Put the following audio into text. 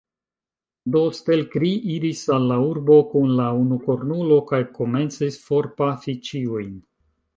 Do, Stelkri iris al la urbo kun la unukornulo, kaj komencis forpafi ĉiujn.